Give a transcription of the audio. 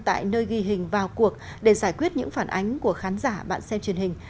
tại nơi ghi hình vào cuộc để giải quyết những phản ánh của khán giả bạn xem truyền hình